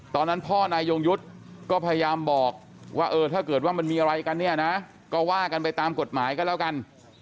ตอนนั้นพ่อนายยงยุทธ์ก็พยายามบอกว่าเออถ้าเกิดว่ามันมีอะไรกันเนี่ยนะก็ว่ากันไปตามกฎหมายก็แล้วกัน